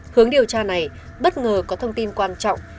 hướng điều tra này bất ngờ có thông tin quan trọng